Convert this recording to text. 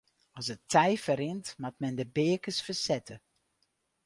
As it tij ferrint moat men de beakens fersette.